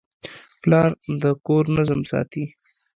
پلار د کور نظم ساتي.